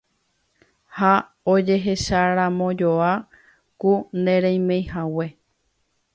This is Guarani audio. ha ojecheramojoa ku nde ndereimeihague